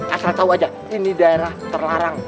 asal tahu aja ini daerah terlarang